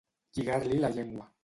Lligar-li la llengua.